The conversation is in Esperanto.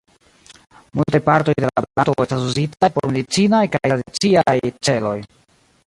Multaj partoj de la planto estas uzitaj por medicinaj kaj tradiciaj celoj.